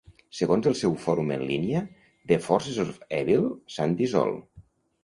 Segons el seu fòrum en línia, The Forces of Evil s'han dissolt.